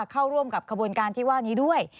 เข้าร่วมกับขบวนการที่ว่านี้ด้วย